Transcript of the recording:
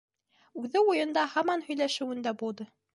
Үҙе уйында һаман һөйләшеүендә булды.